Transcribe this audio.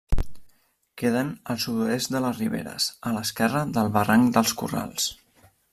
Queden al sud-oest de les Riberes, a l'esquerra del barranc dels Corrals.